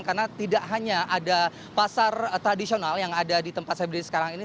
karena tidak hanya ada pasar tradisional yang ada di tempat saya beri sekarang ini